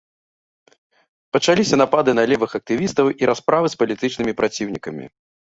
Пачаліся напады на левых актывістаў і расправы з палітычнымі праціўнікамі.